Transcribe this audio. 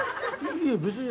いいえ別に。